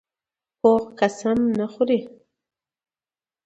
پوخ قسم ماتې نه خوري